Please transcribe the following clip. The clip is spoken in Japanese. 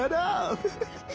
フフフフ。